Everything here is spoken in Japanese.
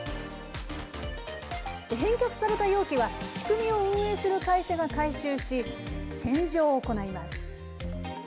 返却された容器は、仕組みを運営する会社が回収し、洗浄を行います。